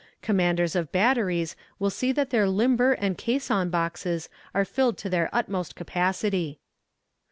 Commanders of batteries will see that their limber and caisson boxes are filled to their utmost capacity.